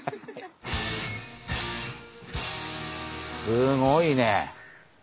すごいね。